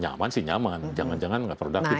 nyaman sih nyaman jangan jangan nggak productive kan gitu